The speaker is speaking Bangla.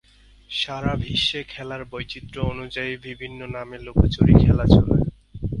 সারা বিশ্বে খেলার বৈচিত্র্য অনুযায়ী বিভিন্ন নামে লুকোচুরি খেলা চলে।